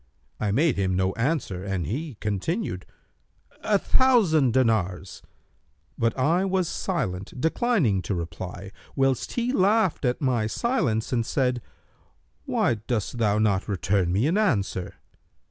I made him no answer, and he continued, 'A thousand dinars.' But I was silent, declining to reply, whilst he laughed at my silence and said, 'Why dost thou not return me an answer?'